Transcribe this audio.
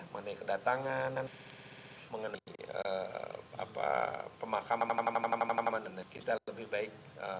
mengenai kedatangan mengenai pemakaman kita lebih baik